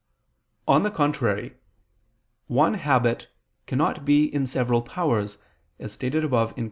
On the contrary, One habit cannot be in several powers, as stated above (Q.